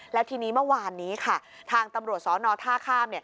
แล้วทีนี้เมื่อวานนี้ค่ะทางตำรวจสนท่าข้าม